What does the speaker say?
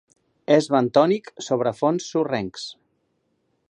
És bentònic sobre fons sorrencs.